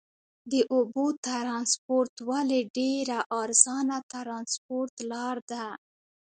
د اوبو ترانسپورت ولې ډېره ارزانه ترانسپورت لار ده؟